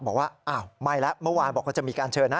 บอกว่าอ้าวไม่แล้วเมื่อวานบอกว่าจะมีการเชิญนะ